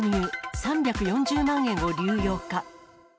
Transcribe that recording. ３４０万円を流用か。